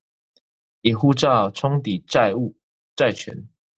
以護照充抵債務、債權